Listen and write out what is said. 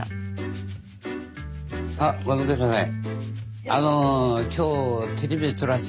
あごめんくださいませ。